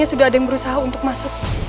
lebih baik kita cepat masuk